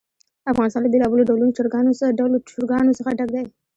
افغانستان له بېلابېلو ډولو چرګانو څخه ډک دی.